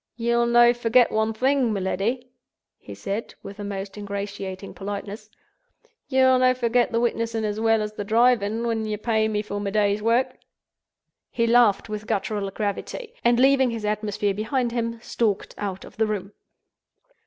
"Ye'll no forget one thing, my leddy," he said, with the most ingratiating politeness. "Ye'll no forget the witnessing as weel as the driving, when ye pay me for my day's wark!" He laughed with guttural gravity; and, leaving his atmosphere behind him, stalked out of the room.